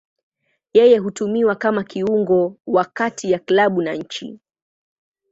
Yeye hutumiwa kama kiungo wa kati ya klabu na nchi.